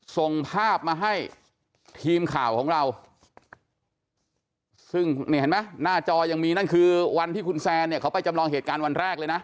ส่งภาพมาให้ทีมข่าวของเราซึ่งนี่เห็นไหมหน้าจอยังมีนั่นคือวันที่คุณแซนเนี่ยเขาไปจำลองเหตุการณ์วันแรกเลยนะ